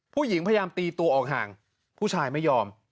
ผู้หญิงพยายามตีตัวออกห่างผู้ชายไม่ยอม